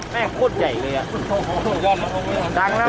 แม่งโคตรใหญ่เลยอ่ะ